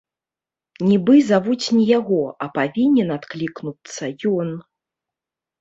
Нібы завуць не яго, а павінен адклікнуцца ён.